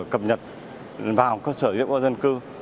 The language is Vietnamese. cập nhật vào cơ sở diễn bố dân cư